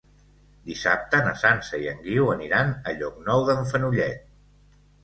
Dissabte na Sança i en Guiu aniran a Llocnou d'en Fenollet.